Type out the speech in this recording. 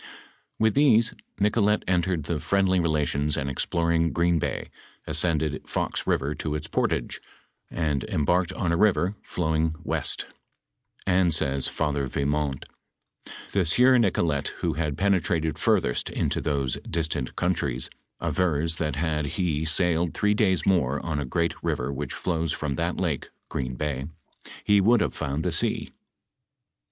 With theae Nicolet entered into friendly relationa, and exploring Green hay, aacended Fox river to ita portage, and emharked on a river, flowing weat ; and aays Father Yimont, " the aieur Nicolet who had pene trated furtheat into thoae diatant countriea, avera that had he sailed three daya more on a great river which flowa from that lake [Green bay], ho would have found the aea."